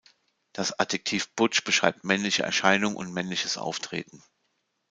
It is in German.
Das Adjektiv "butch" beschreibt männliche Erscheinung und männliches Auftreten.